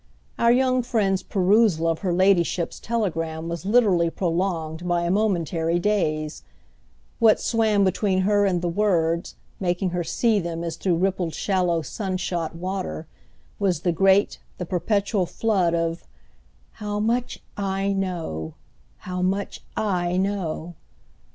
Our young friend's perusal of her ladyship's telegram was literally prolonged by a momentary daze: what swam between her and the words, making her see them as through rippled shallow sunshot water, was the great, the perpetual flood of "How much I know—how much I know!"